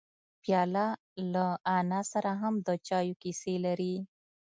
پیاله له انا سره هم د چایو کیسې لري.